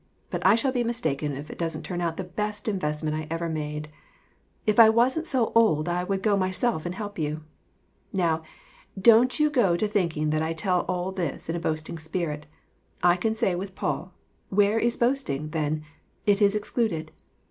But I shall be mistaken if it doesn't turn out the best invest ment I ever made. If I wasn't so old I would go myself and help you. Now, don't you go to thinking that I tell all this in a boasting spirit. I can say with Paul " Where is boasting, then? It is excluded."